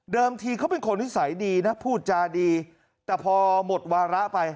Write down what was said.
ทีเขาเป็นคนนิสัยดีนะพูดจาดีแต่พอหมดวาระไป